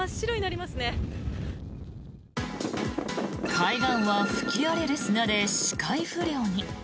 海岸は吹き荒れる砂で視界不良に。